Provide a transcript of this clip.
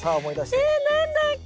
え何だっけ？